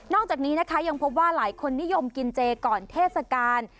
จากนี้นะคะยังพบว่าหลายคนนิยมกินเจก่อนเทศกาล